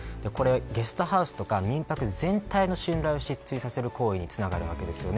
ゲストハウスとか民泊全体の信頼を失墜させる行為につながります。